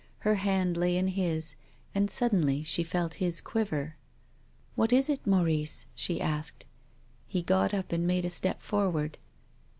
Her liand lay in his and suddenly she felt his quiver. " What is it, Maurice ?" she asked. He got up and made a step forward.